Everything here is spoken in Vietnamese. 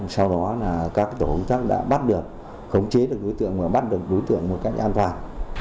sau đó các tổ chức đã bắt được khống chế được đối tượng và bắt được đối tượng một cách an toàn